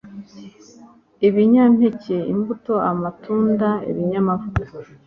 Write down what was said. Ibinyampeke, imbuto amatunda ibinyamavuta,